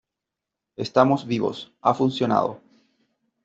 estamos vivos . ha funcionado .